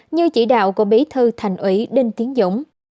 như chỉ đạo của bí thư thành ủy đinh tiến dũng